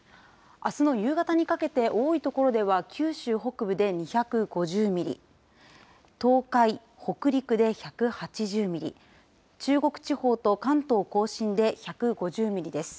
あすの夕方にかけて、多い所では九州北部で２５０ミリ、東海、北陸で１８０ミリ、中国地方と関東甲信で１５０ミリです。